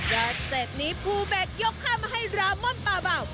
แล้วสเต็ปนี้ฟูเบคยกข้ามาให้ราม่อนป่าเบา